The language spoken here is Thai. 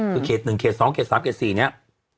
คือเขต๑เขต๒เขต๓เขต๔เนี่ย